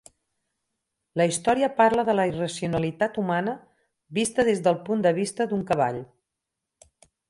La història parla de la irracionalitat humana vista des del punt de vista d'un cavall.